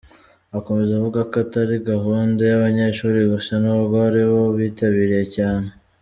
Akomeza avuga ko atari gahunda y’abanyeshuri gusa n’ubwo aribo bitabiriye cyane.